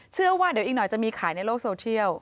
เชื่อว่าเดี๋ยวอีกหน่อยจะมีขายในโลกโซเทียล